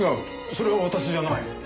それは私じゃない。